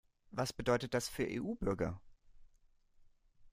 Was bedeutet das für EU-Bürger?